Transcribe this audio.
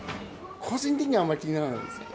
個人的にはあまり気にならないですね。